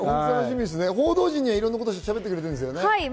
報道陣にはいろんなことをしゃべってくれたんですよね？